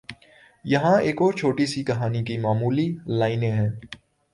یہاں ایک اور چھوٹی سی کہانی کی معمولی لائنیں ہیں